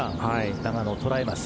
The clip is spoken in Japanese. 永野を捉えます。